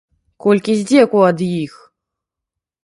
Колькі здзекаў ад іх?!